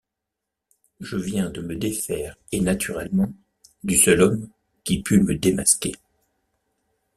Je viens de me défaire, et naturellement, du seul homme qui pût me démasquer.